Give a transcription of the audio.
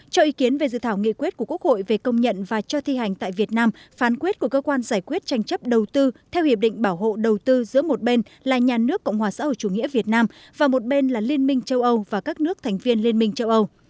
cho ý kiến về dự thảo nghị quyết của quốc hội về công nhận và cho thi hành tại việt nam phán quyết của cơ quan giải quyết tranh chấp đầu tư theo hiệp định bảo hộ đầu tư giữa một bên là nhà nước cộng hòa xã hội chủ nghĩa việt nam và một bên là liên minh châu âu và các nước thành viên liên minh châu âu